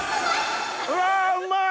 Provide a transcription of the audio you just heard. うわうまい！